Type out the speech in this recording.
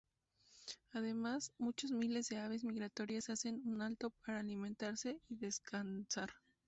Además, muchos miles de aves migratorias hacen un alto para alimentarse y descansar.